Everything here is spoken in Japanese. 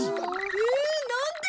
えなんで！？